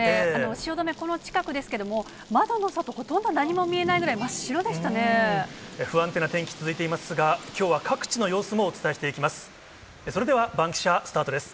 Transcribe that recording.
汐留、この近くですけれども、窓の外、ほとんど何も見えないぐ不安定な天気続いていますが、きょうは各地の様子もお伝えしていきます。